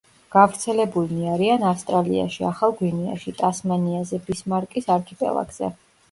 გავრცელებულნი არიან ავსტრალიაში, ახალ გვინეაში, ტასმანიაზე, ბისმარკის არქიპელაგზე.